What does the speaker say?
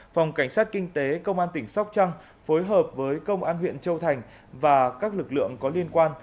phòng cảnh sát kinh tế công an tỉnh sóc trăng phối hợp với công an huyện châu thành và các lực lượng có liên quan